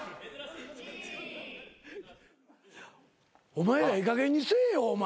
お前らいいかげんにせえよお前。